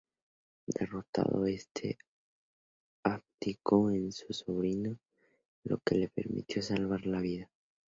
Derrotado este, abdicó en su sobrino lo que le permitió salvar la vida.